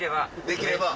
できれば。